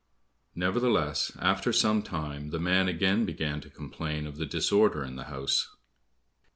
Neverthless after some time, the man again began to complain of the disorder in the house.